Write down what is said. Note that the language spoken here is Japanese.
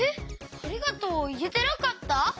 「ありがとう」をいえてなかった？